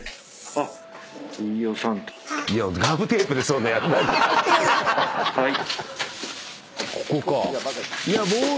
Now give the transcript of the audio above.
あっはい。